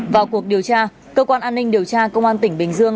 vào cuộc điều tra cơ quan an ninh điều tra công an tỉnh bình dương